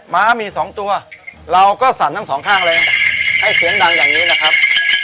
ม้ามีสองตัวเราก็สั่นทั้งสองข้างเลยให้เสียงดังอย่างนี้นะครับ